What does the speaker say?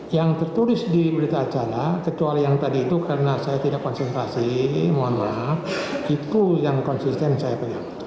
yang tertulis di berita acara kecuali yang tadi itu karena saya tidak konsentrasi mohon maaf itu yang konsisten saya pegang